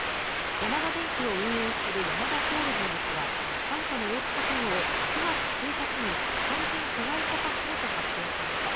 ヤマダ電機を運営するヤマダホールディングスは傘下の大塚家具を９月１日に完全子会社化すると発表しました。